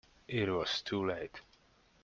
It was too late.